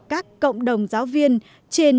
các cộng đồng giáo viên trên